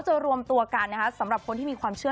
พระพุทธคือพระพุทธคือ